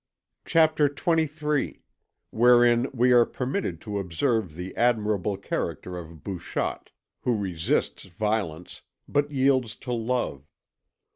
CHAPTER XXIII WHEREIN WE ARE PERMITTED TO OBSERVE THE ADMIRABLE CHARACTER OF BOUCHOTTE, WHO RESISTS VIOLENCE BUT YIELDS TO LOVE.